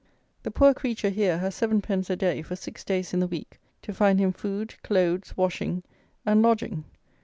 The poor creature here has seven pence a day for six days in the week to find him food, clothes, washing, and lodging!